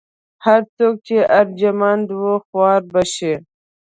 هر څوک چې ارجمند و خوار به شي.